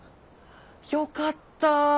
よかった。